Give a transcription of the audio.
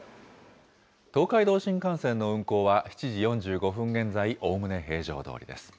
東海道新幹線の運行は、７時４５分現在、おおむね平常どおりです。